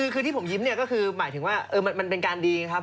คือที่ผมยิ้มเนี่ยก็คือหมายถึงว่ามันเป็นการดีครับ